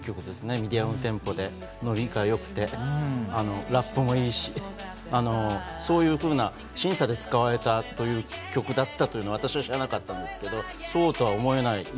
ミディアムテンポでノリが良くて、ラップもいいし、審査で使われたという曲だったと私は知らなかったんですけど、そうとは思えない。